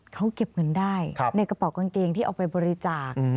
เขาเก็บเงินได้ในกระเป๋ากางเกงที่เอาไปบริจาค